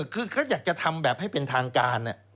คือเขาอยากจะทำแบบให้เป็นทางการ